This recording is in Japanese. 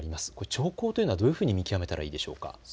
兆候というのはどういうふうに見極めたらいいでしょうか。